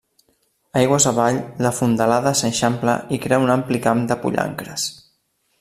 Aigües avall la fondalada s'eixampla i crea un ampli camp de pollancres.